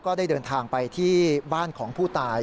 ได้เดินทางไปที่บ้านของผู้ตาย